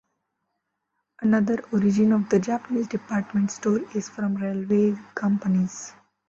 Another origin of the Japanese department store is from railway companies.